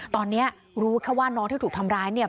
ตอนนี้รู้แค่ว่าน้องที่ถูกทำร้ายเนี่ย